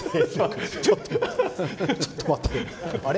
ちょっと待ってくれ。